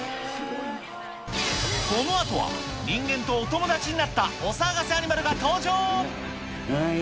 このあとは人間とお友達になったお騒がせアニマルが登場。